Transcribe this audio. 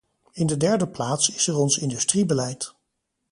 In de derde plaats is er ons industriebeleid.